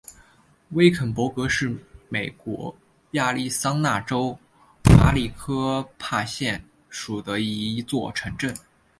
威肯勃格是美国亚利桑那州马里科帕县下属的一座城镇。